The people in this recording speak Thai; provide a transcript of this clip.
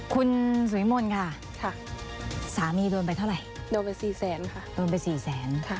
คุณสุวิมลค่ะสามีโดนไปเท่าไหร่โดนไป๔แสนค่ะโดนไป๔แสน